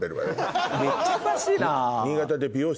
めっちゃ詳しいな。